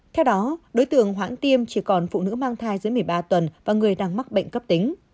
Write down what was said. theo đó đối tượng hoãn tiêm chỉ còn phụ nữ mang thai dưới một mươi ba tuần và người đang mắc bệnh cấp tính